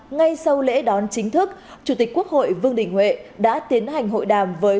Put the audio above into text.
ngay sau lễ đón chính thức chủ tịch quốc hội vương đình huệ đã tiến hành hội đàm với